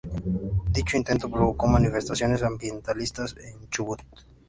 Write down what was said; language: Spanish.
Dicho intento provocó manifestaciones ambientalistas en Chubut.